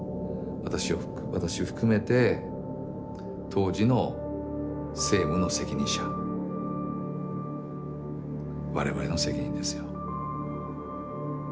私を私を含めて当時の政府の責任者我々の責任ですよ。